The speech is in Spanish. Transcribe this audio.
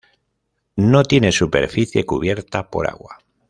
No tiene superficie cubierta por agua.